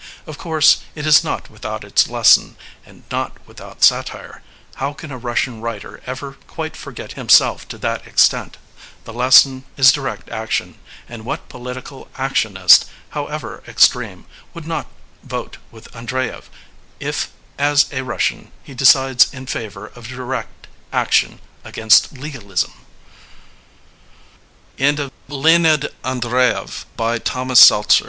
Of course it is not without its lesson, and not without satire. How can a Russian writer ever quite forget himself to that extent? The lesson is direct action. And what political actionist, however extreme, would not vote with Andreyev, if, as a Bussian, he decides in favor of direct action a